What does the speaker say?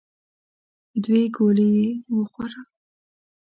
دوې ګولې خو وخوره !